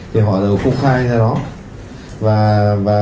thì họ đều công khai ra đó